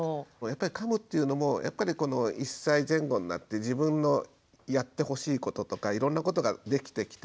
やっぱりかむっていうのもやっぱり１歳前後になって自分のやってほしいこととかいろんなことができてきて。